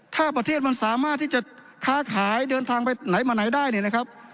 ถ้าประเทศมันสามารถที่จะค้าขายเดินทางไปไหนมาไหนได้เนี่ยนะครับ